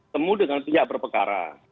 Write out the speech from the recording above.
temu dengan pihak berpekara